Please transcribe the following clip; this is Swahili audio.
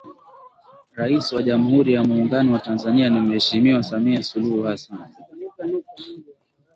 Rais wa Jamhuri ya Muungano wa Tanzania ni Mheshimiwa Samia Suluhu Hassan